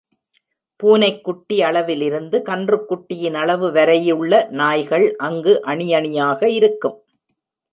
பூனைக்குட்டி அளவிலிருந்து கன்றுக் குட்டியின் அளவு வரையுள்ள நாய்கள் அங்கு அணி அணியாக இருக்கும்.